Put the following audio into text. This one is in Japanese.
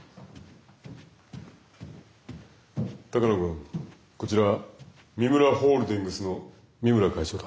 鷹野君こちら三村ホールディングスの三村会長だ。